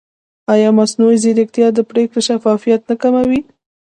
ایا مصنوعي ځیرکتیا د پرېکړې شفافیت نه کموي؟